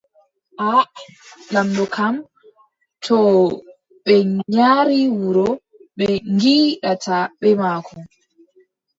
Aaʼa., Lamɗo kam, too ɓe nyari wuro, ɓe ngiidaata bee maako.